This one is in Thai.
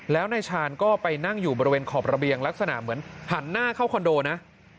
แล้วนายชาญก็ไปนั่งอยู่บริเวณขอบระเบียงลักษณะเหมือนหันหน้าเข้าคอนโดนะ